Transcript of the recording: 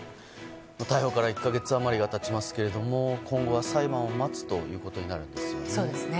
逮捕から１か月余りが経ちますが、今後は裁判を待つということになるわけですね。